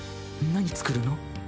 何作るの？